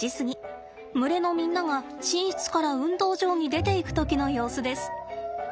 群れのみんなが寝室から運動場に出ていく時の様子です。